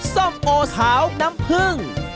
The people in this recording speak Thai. ส้มโอขาวน้ำผึ้ง